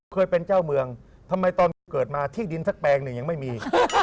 เคยเป็นเจ้าเมืองทำไมตอนเกิดมาที่ดินสักแปลงหนึ่งยังไม่มี